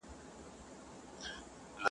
لېوه جوړي په ځنګله کي کړې رمباړي؛